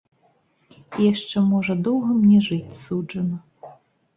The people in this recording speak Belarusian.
І яшчэ можа доўга мне жыць суджана.